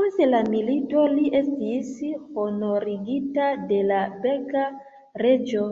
Post la milito li estis honorigita de la belga reĝo.